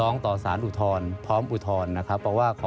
อันดับที่สุดท้าย